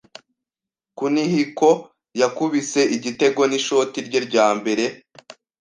Kunihiko yakubise igitego n'ishoti rye rya mbere.